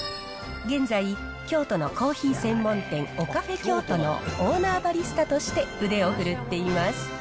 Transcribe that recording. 現在、京都のコーヒー専門店、オカフェキョウトのオーナーバリスタとして、腕を振るっています。